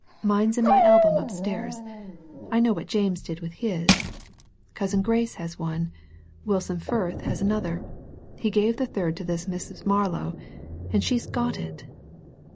Mine's in my album upstairs. I know what James did with his. Cousin Grace has one; Wilson Firth has another; he gave the third to this Mrs. Marlow and she's got it!